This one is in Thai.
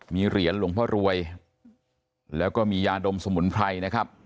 มีเหรียญหลวงพ่อรวยแล้วก็มียาดมสมุนไพรนะครับ